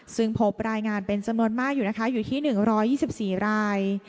ซึ่งพบรายงานเป็นจำนวนมากอยู่ที่๑๒๔ราย